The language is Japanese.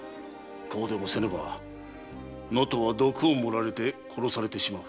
こうでもせねば能登は毒を盛られて殺されてしまう。